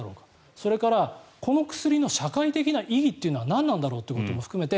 それからこの薬の社会的な意義というのは何なんだろうということも含めて